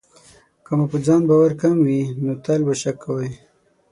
که مو په ځان باور کم وي، نو تل به شک کوئ.